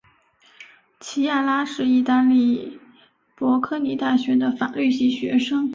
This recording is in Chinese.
琪亚拉是意大利博科尼大学的法律系学生。